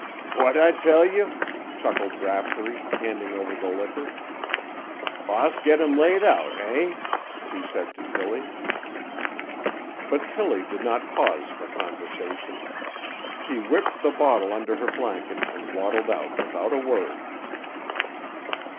"What'd I tell you?" chuckled Raftery, handing over the liquor. "Boss him get laid out, eh?" he said to Tillie. But Tillie did not pause for conversation. She whipped the bottle under her blanket and waddled out without a word.